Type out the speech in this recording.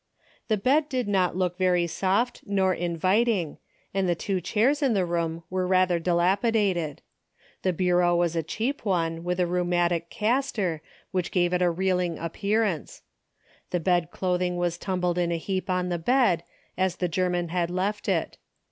The bed did not look very soft nor inviting, and the two chairs in the room were rather dilap idated. The bureau was a cheap one with a rheumatic castor, which gave it a reeling ap pearance. The bed clothing was tumbled in a heap on the bed, as the German had left it.